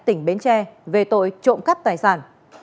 tỉnh bến tre về tội trộm cắp tài sản